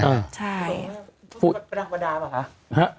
พอกลาดอมเปอร์ดำอ่ะครับ